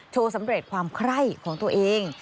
สำเร็จความไคร้ของตัวเอง